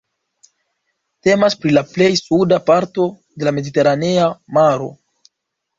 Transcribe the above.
Temas pri la plej suda parto de la Mediteranea Maro.